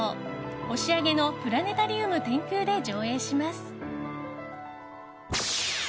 押上のプラネタリウム天空で上映します。